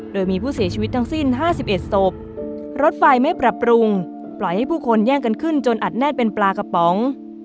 โดยมีผู้เสียชีวิตทั้งสิ้น๕๑ศพรถไฟไม่ปรับปรุงปล่อยให้ผู้คนแย่งกันขึ้นจนอัดแน่นเป็นปลากระป๋อง